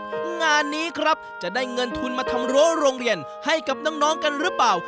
งานนี้ครับจะได้เงินทุนมาทำรั้วโรงเรียนให้กับน้องกันหรือเปล่า